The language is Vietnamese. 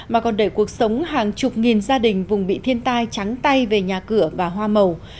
mà còn để cuộc sống hàng chục nghìn gia đình vùng bị thiên tai trắng tay về nhà cửa và hoa màu